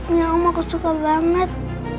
ya om aku suka banget